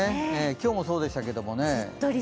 今日もそうでしたけれども。